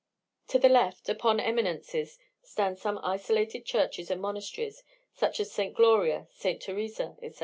To the left, upon eminences, stand some isolated churches and monasteries, such as St. Gloria, St. Theresa, etc.